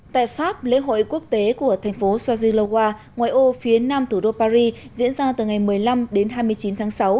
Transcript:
tại pháp lễ hội quốc tế của thành phố sozilowa ngoài ô phía nam thủ đô paris diễn ra từ ngày một mươi năm đến hai mươi chín tháng sáu